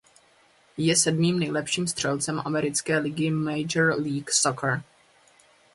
Je sedmým nejlepším střelcem americké ligy Major League Soccer.